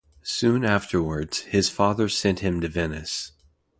Soon afterwards, his father sent him to Venice.